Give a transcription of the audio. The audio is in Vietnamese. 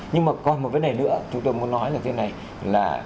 nhưng mà còn một vấn đề nữa chúng tôi muốn nói là